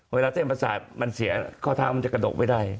เส้นประสาทมันเสียข้อเท้ามันจะกระดกไม่ได้